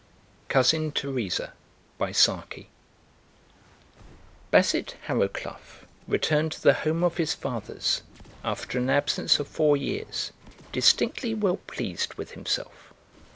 COUSIN TERESA Basset Harrowcluff returned to the home of his fathers, after an absence of four years, distinctly well pleased with himself.